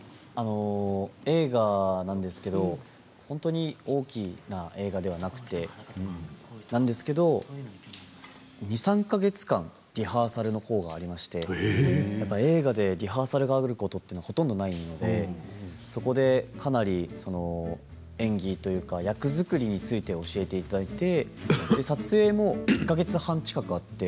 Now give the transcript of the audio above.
映画なんですけど本当に大きな映画ではなくてなんですけど、２、３か月間リハーサルの方がありまして映画でリハーサルがあることってほとんどないのでそこで、かなり演技というか役作りについて教えていただいて撮影も１か月半近くあって。